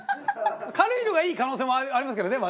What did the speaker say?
軽いのがいい可能性もありますけどねまだ。